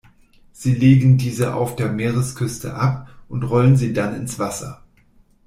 Sie legen diese auf der Meeresküste ab und rollen sie dann ins Wasser.